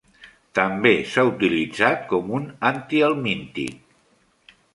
També s'ha utilitzat com un antihelmíntic.